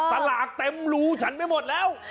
สลากเต็มรูฉันไปหมดแล้ว